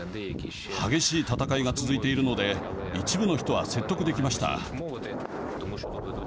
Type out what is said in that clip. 激しい戦いが続いているので一部の人は説得できました。